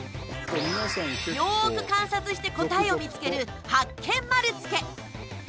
よーく観察して答えを見つけるハッケン丸つけ！